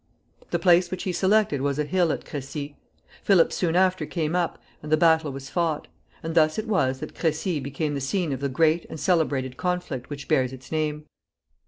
The place which he selected was a hill at Crecy. Philip soon after came up, and the battle was fought; and thus it was that Crecy became the scene of the great and celebrated conflict which bears its name.